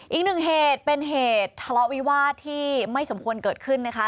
อีกหนึ่งเหตุเป็นเหตุทะเลาะวิวาสที่ไม่สมควรเกิดขึ้นนะคะ